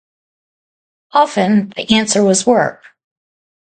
Often the answer was work.